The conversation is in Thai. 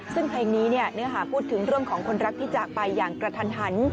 ซึ่งเพลงนี้เนื้อหาพูดถึงเรื่องของคนรักที่จากไปอย่างกระทันหัน